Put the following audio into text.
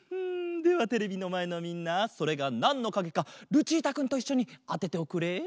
ではテレビのまえのみんなそれがなんのかげかルチータくんといっしょにあてておくれ。